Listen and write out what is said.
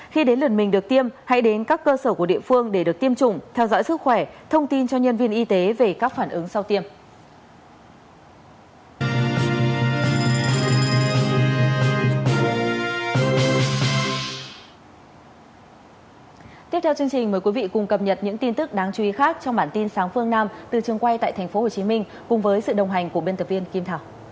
khi đến lượt mình được tiêm hãy đến các cơ sở của địa phương để được tiêm chủng theo dõi sức khỏe thông tin cho nhân viên y tế về các phản ứng sau tiêm